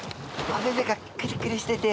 おめめがクリクリしてて。